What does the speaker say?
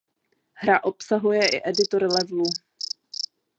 Hra obsahuje i editor levelů.